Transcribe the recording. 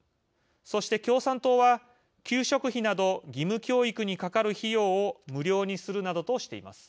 そして、共産党は給食費など義務教育にかかる費用を無料にするなどとしています。